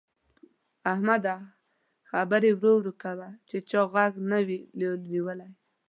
احمده! خبرې ورو کوه چې چا غوږ نه وي نيولی.